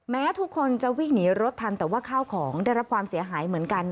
แม้ทุกคนจะวิ่งหนีรถทันแต่ว่าข้าวของได้รับความเสียหายเหมือนกัน